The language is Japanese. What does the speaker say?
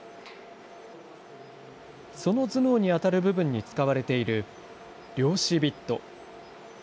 その頭脳に当たる部分に使われている量子ビット。